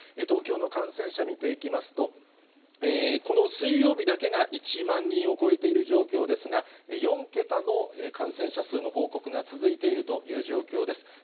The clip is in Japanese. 東京の感染者見ていきますと、この水曜日だけが１万人を超えている状況ですが、４桁の感染者数の報告が続いているという状況です。